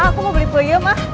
aku mau beli peyem ah